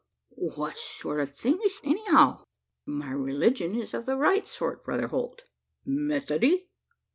Wal what sort o' thing is't anyhow?" "My religion is of the right sort, Brother Holt." "Methody?"